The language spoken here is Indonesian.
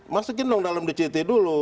masukin dong dalam dct dulu